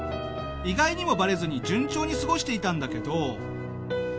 意外にもバレずに順調に過ごしていたんだけど。